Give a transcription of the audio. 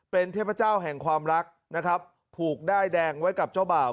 เป็นเทพเจ้าแห่งความรักนะครับผูกด้ายแดงไว้กับเจ้าบ่าว